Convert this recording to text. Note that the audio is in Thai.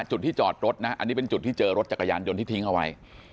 จุดที่จอดรถนะอันนี้เป็นจุดที่เจอรถจักรยานยนต์ที่ทิ้งเอาไว้